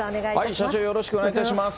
社長、よろしくお願いいたします。